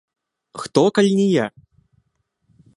Хто, калі не я?